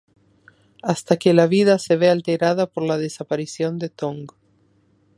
Hasta que la vida se ve alterada por la desaparición de Tong.